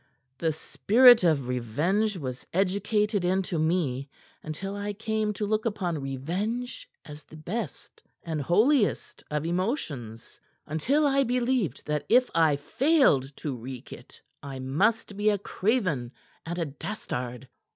"The spirit of revenge was educated into me until I came to look upon revenge as the best and holiest of emotions; until I believed that if I failed to wreak it I must be a craven and a dastard.